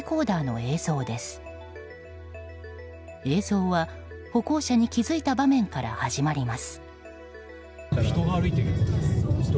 映像は歩行者に気付いた場面から始まります。